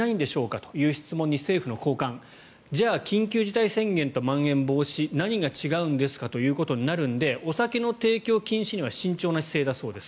という質問に対して政府の高官じゃあ、緊急事態宣言とまん延防止措置何が違うんですかということになるのでお酒の提供禁止には慎重なようです。